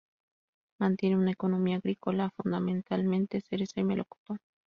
Mantiene una economía agrícola, fundamentalmente cereza y melocotón.